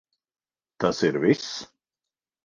Tas ir viss?